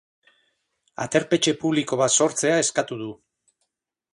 Aterpetxe publiko bat sortzea eskatu du.